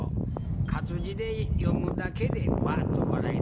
活字で読むだけでうわっと笑える。